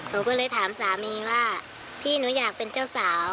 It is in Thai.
หนูก็เลยถามสามีว่าพี่หนูอยากเป็นเจ้าสาว